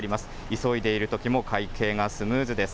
急いでいるときも会計がスムーズです。